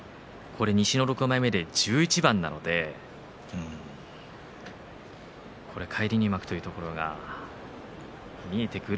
西の６枚目で１１番なので返り入幕というところが見えてくる。